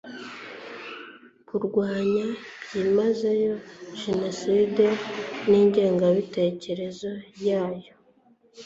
kurwanya byimazeyo jenoside n'ingengabitekerezo yayo